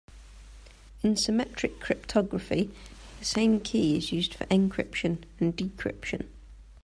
In symmetric cryptography the same key is used for encryption and decryption.